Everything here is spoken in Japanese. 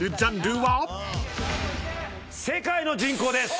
世界の人口です！